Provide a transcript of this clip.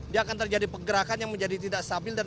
dia akan terjadi pergerakan yang menjadi tidak stabil